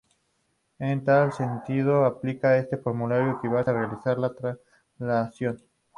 En tal sentido, aplicar este formulario equivale a realizar una traslación.